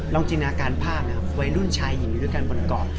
ลองจินาการภาพวัยรุ่นชายหญิงอยู่ด้วยกันบนเกาะ